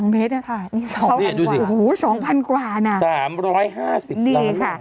นี่๒๐๐๐กว่าหู๒๐๐๐กว่านะ๓๕๐ตรมดีค่ะ